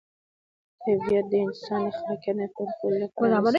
طبیعت د انسان د خلاقیت او نوي فکر کولو لاره پرانیزي.